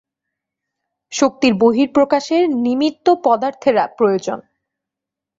শক্তির বহিঃপ্রকাশের নিমিত্ত পদার্থের প্রয়োজন।